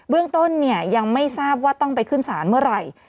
เรื่องต้นเนี่ยยังไม่ทราบว่าต้องไปขึ้นศาลเมื่อไหร่